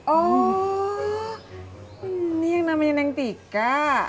oh ini yang namanya neng tika